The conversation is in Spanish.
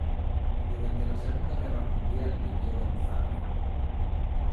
Durante la segunda guerra mundial vivió en Zagreb.